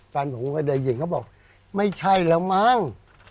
แฟนผมก็ได้ยินเขาบอกไม่ใช่แล้วมั้ง